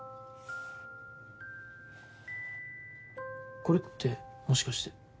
これってもしかして。